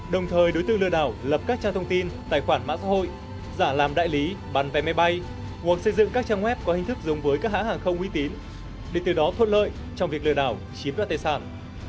đồng thời đối tượng lừa đảo lập các trang thông tin tài khoản mạng xã hội giả làm đại lý bán vé máy bay hoặc xây dựng các trang web có hình thức dùng với các hãng hàng không uy tín để từ đó thuận lợi trong việc lừa đảo chiếm đoạt tài sản